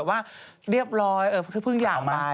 เอาไงผมไม่เชื่อเรื่องนี้